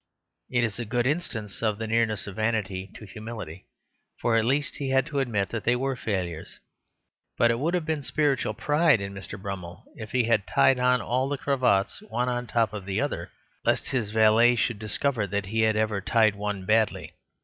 It is a good instance of the nearness of vanity to humility, for at least he had to admit that they were failures. But it would have been spiritual pride in Mr. Brummell if he had tied on all the cravats, one on top of the other, lest his valet should discover that he had ever tied one badly.